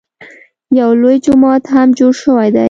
یو لوی جومات هم جوړ شوی دی.